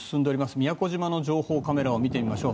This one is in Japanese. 宮古島の情報カメラを見てみましょう。